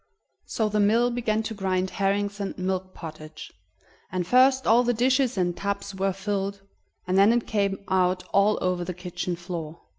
So the mill began to grind herrings and milk pottage, and first all the dishes and tubs were filled, and then it came out all over the kitchen floor.